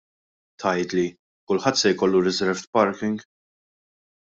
Tgħidli: Kulħadd se jkollu reserved parking?